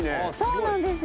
そうなんですよ。